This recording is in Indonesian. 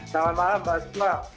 selamat malam mbak sofian